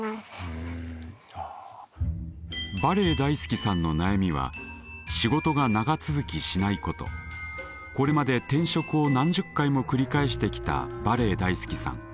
バレエ大好きさんの悩みはこれまで転職を何十回も繰り返してきたバレエ大好きさん。